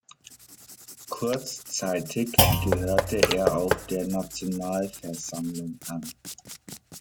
Kurzzeitig gehörte er auch der Nationalversammlung an.